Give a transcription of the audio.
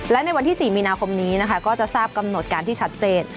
และในวันที่๔มีนาคมนี้นะคะก็จะทราบกำหนดการที่ชัดเจน